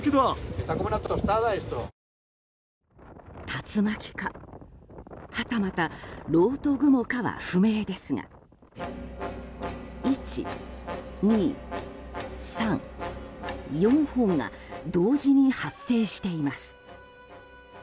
竜巻か、はたまたろうと雲かは不明ですが１、２、３、４本が同時に発生しています。